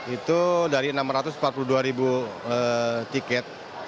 itu dari enam ratus empat puluh dua ribu tiket